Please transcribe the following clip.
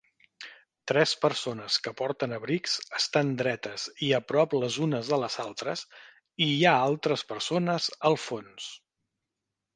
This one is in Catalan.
tres persones que porten abrics estan dretes i a prop les unes de les altres, i hi ha altres persones al fons